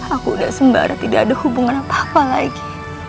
aku udah sembara tidak ada hubungan apa apa lagi